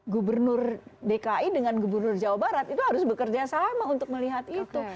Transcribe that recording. gubernur dki dengan gubernur jawa barat itu harus bekerja sama untuk melihat itu